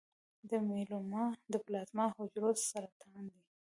د میلوما د پلازما حجرو سرطان دی.